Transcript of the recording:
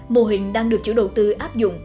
mô hình đang được chủ đầu tư áp dụng